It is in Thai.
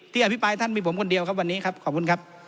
อภิปรายท่านมีผมคนเดียวครับวันนี้ครับขอบคุณครับ